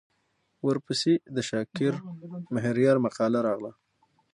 ورپسې د شاکر مهریار مقاله راغله.